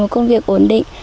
một công việc ổn định